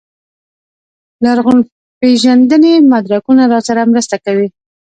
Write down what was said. لرغونپېژندنې مدرکونه راسره مرسته کوي.